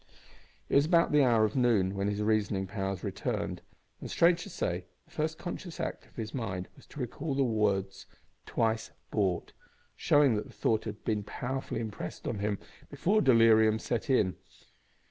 It was about the hour of noon when his reasoning powers returned, and, strange to say, the first conscious act of his mind was to recall the words "twice bought," showing that the thought had been powerfully impressed on him before delirium set in.